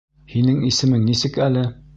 Һинең исемең нисек әле?